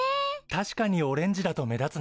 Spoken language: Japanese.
確かにオレンジだと目立つね。